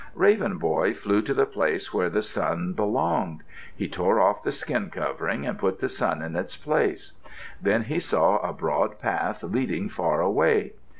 Raven Boy flew to the place where the sun belonged. He tore off the skin covering and put the sun in its place. Then he saw a broad path leading far away.